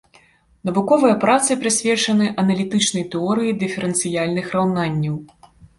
Навуковыя працы прысвечаны аналітычнай тэорыі дыферэнцыяльных раўнанняў.